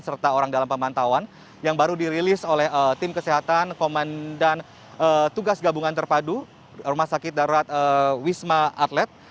serta orang dalam pemantauan yang baru dirilis oleh tim kesehatan komandan tugas gabungan terpadu rumah sakit darurat wisma atlet